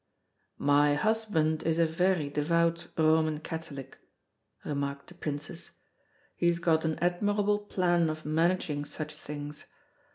"My husband is a very devout Roman Catholic," remarked the Princess. "He's got an admirable plan of managing such things.